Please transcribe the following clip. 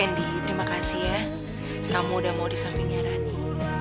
andy terima kasih ya kamu udah mau di sampingnya rani